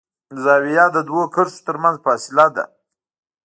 زاویه د دوو کرښو تر منځ فاصله ده.